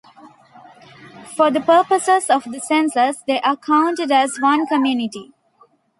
For the purposes of the census, they are counted as one community.